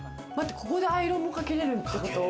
ここにアイロン掛けれるってこと？